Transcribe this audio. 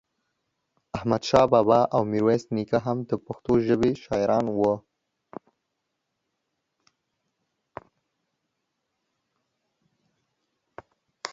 احمد شاه بابا او ميرويس نيکه هم دا پښتو ژبې شاعران وو